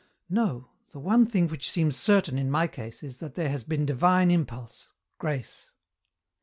" No, the one thing which seems certain, in my case, is that there has been divine impulse, grace.